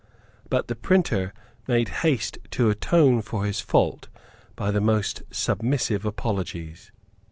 But the printer made haste to atone for his fault by the most submissive apologies.